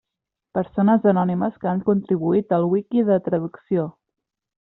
Persones anònimes que han contribuït al wiki de traducció.